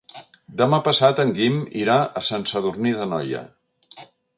Demà passat en Guim irà a Sant Sadurní d'Anoia.